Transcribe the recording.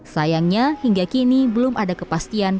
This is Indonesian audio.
sayangnya hingga kini belum ada kepastian